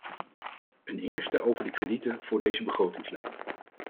Een eerste over de kredieten voor deze begrotingslijn.